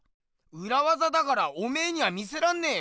うらわざだからおめえには見せらんねえよ。